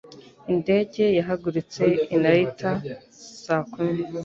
Indege yahagurutse i Narita saa kumi